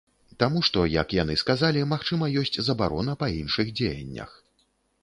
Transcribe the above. Таму што, як яны сказалі, магчыма, ёсць забарона па іншых дзеяннях.